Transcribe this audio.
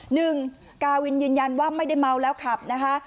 หนึ่งกาวินยืนยันว่าไม่ได้เมาแล้วขับนะคะ